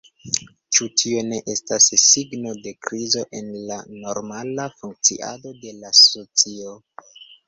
Ĉu tio ne estas signo de krizo en la normala funkciado de la asocio?